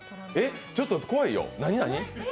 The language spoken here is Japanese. えっ、ちょっと怖いよ。